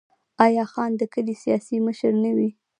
آیا خان د کلي سیاسي مشر نه وي؟